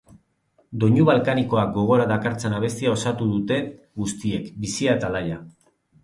Doinu balkanikoak gogora dakartzan abestia osatu dute guztiek, bizia eta alaia.